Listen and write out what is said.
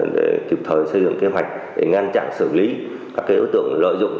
để kịp thời xây dựng kế hoạch để ngăn chặn xử lý các đối tượng lợi dụng